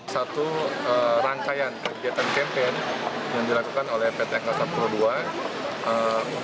satu rangkaian kegiatan campaign yang dilakukan oleh pt angkasa pura ii